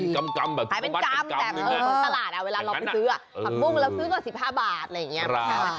ขายเป็นกำแบบตลาดเวลาเราไปซื้อผักบุ้งเราซื้อก็๑๕บาทอะไรอย่างนี้